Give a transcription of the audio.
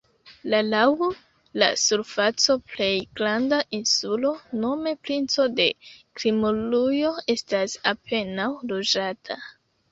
La laŭ la surfaco plej granda insulo nome Princo de Kimrujo estas apenaŭ loĝata.